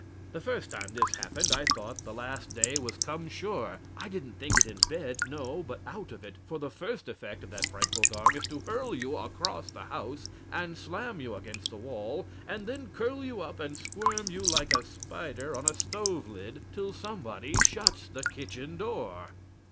The first time this happened I thought the last day was come sure. I didn't think it in bed no, but out of it for the first effect of that frightful gong is to hurl you across the house, and slam you against the wall, and then curl you up, and squirm you like a spider on a stove lid, till somebody shuts the kitchen door.